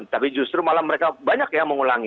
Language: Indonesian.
tapi justru malah mereka banyak yang mengulangi